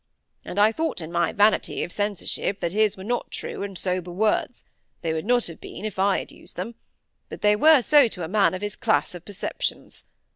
And I thought in my vanity of censorship that his were not true and sober words; they would not have been if I had used them, but they were so to a man of his class of perceptions.